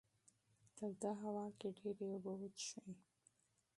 توده هوا کې ډېرې اوبه وڅښئ.